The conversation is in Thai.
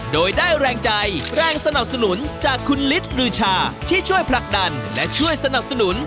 โดยได้แรงใจแรงสนับสนุนจากคุณฤทธิ์รือชาที่ช่วยผลักดันและช่วยสนับสนุน